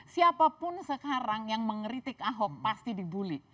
siapapun sekarang yang mengeritik ahok pasti dibully